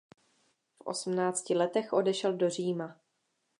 V osmnácti letech odešel do Říma.